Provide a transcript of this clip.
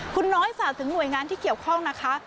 คุณน้อยฝากถึงหน่วยงานที่เกี่ยวข้องนะคะ